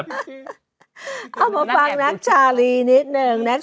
เอามาฟังนักชาลีนิดหนึ่ง